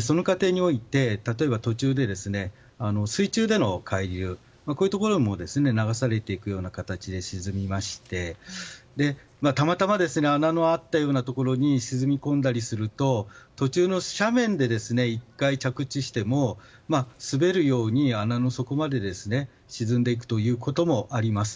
その過程において例えば途中で水中での海流こういうところも流されていくような形で沈みましてたまたま穴のあったようなところに沈み込んだりすると途中の斜面で１回、着地しても滑るように穴の底まで沈んでいくこともあります。